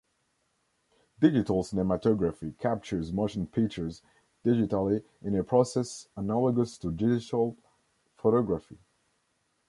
Digital cinematography captures motion pictures digitally in a process analogous to digital photography.